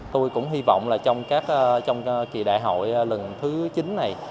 tôi cũng hy vọng là trong các trong kỳ đại hội lần thứ chín này